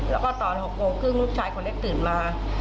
แล้วก็ตอน๖โมงครึ่งลูกชายคนเล็กตื่นมา